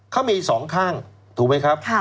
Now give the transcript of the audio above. เขามีสองข้างถูกไหมครับ